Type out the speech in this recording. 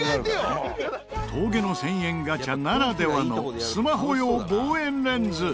峠の１０００円ガチャならではのスマホ用望遠レンズ。